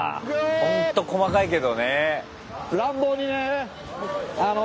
ほんと細かいけどね。